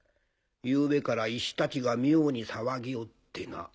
ゆうべから石たちが妙に騒ぎおってな。